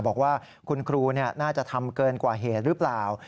บอกว่าคุณครูน่าจะทำเกินกว่าเหตุหรือเปล่า